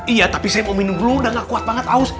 iya tapi saya mau minum dulu udah gak kuat banget aus